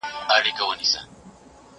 زه اجازه لرم چي مکتب ته لاړ شم!!